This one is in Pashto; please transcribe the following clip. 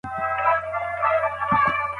د ډاکټر اجوره، د جسم د رغوني او اصلاح لپاره ده.